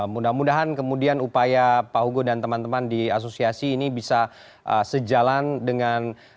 mudah mudahan kemudian upaya pak hugo dan teman teman di asosiasi ini bisa sejalan dengan